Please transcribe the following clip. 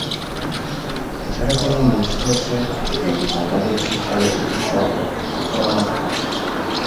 এছাড়া তিনি নিজ খরচে দুইটি দাতব্য চিকিৎসালয় প্রতিষ্ঠা ও পরিচালনা করতেন।